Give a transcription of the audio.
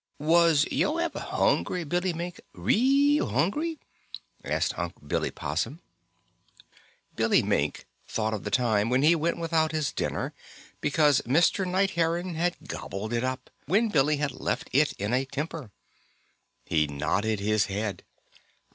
Was yo' ever hungry, Billy Mink real hungry?" asked Unc' Billy Possum. Billy Mink thought of the time when he went without his dinner because Mr. Night Heron had gobbled it up, when Billy had left it in a temper. He nodded his head.